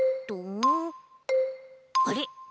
あれ？